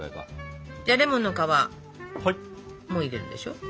じゃレモンの皮も入れるでしょ。